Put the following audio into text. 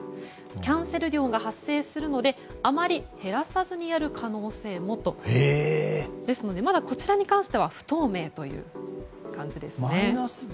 キャンセル料が発生するのであまり減らさずにやる可能性もということでですので、まだこちらに関しては不透明という感じですね。